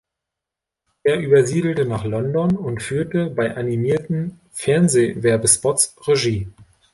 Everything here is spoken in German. Er übersiedelte nach London und führte bei animierten Fernsehwerbespots Regie.